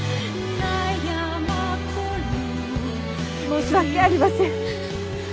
申し訳ありません。